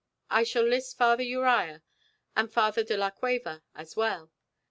I shall enlist Father Uria and Father de la Cueva as well.